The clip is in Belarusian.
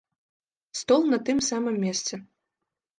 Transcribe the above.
Стол на тым самым месцы.